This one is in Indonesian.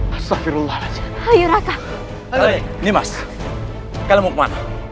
astagfirullahaladzim ayo raka ini mas kalau mau kemana